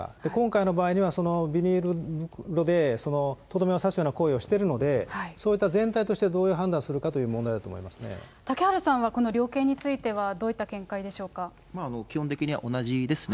今回の場合にはビニール袋でとどめを刺すような行為をしているので、そういった全体としてどういう判断をする嵩原さんはこの量刑について基本的に同じですね。